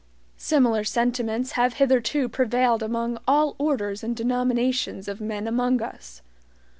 Similar sentiments have hitherto prevailed among all orders and denominations of men among us.